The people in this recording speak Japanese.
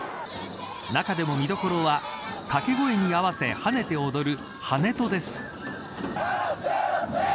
中でも見どころは掛け声に合わせ跳ねて踊るハネトです。